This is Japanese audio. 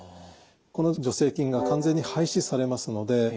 この助成金が完全に廃止されますので。